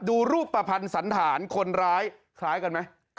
ดูรูปประพันธ์สันฐานคนร้ายคล้ายกันไหม